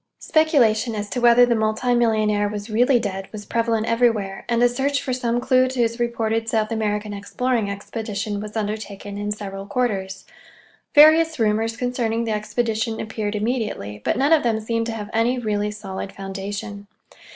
Speculation as to whether the multi millionaire was really dead was prevalent everywhere, and a search for some clue to his reported South American exploring expedition was undertaken in several quarters. Various rumors concerning the expedition appeared immediately, but none of them seemed to have any really solid foundation.